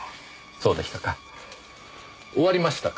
そうでしたか。